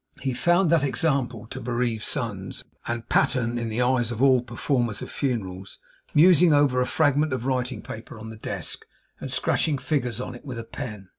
He found that example to bereaved sons, and pattern in the eyes of all performers of funerals, musing over a fragment of writing paper on the desk, and scratching figures on it with a pen.